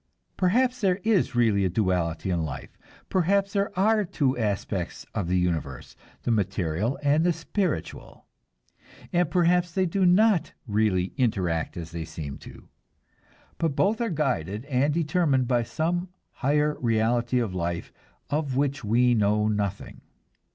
Perhaps there is really a duality in life. Perhaps there are two aspects of the universe, the material and the spiritual, and perhaps they do not really interact as they seem to, but both are guided and determined by some higher reality of life of which we know nothing.